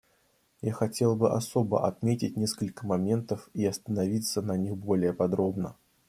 Я хотел бы особо отметить несколько моментов и остановиться на них более подробно.